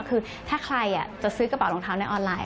คือถ้าใครจะซื้อกระเป๋ารองเท้าในออนไลน